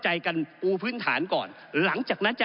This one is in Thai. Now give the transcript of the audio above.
ก็ได้มีการอภิปรายในภาคของท่านประธานที่กรกครับ